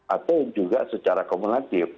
atau juga secara kumulatif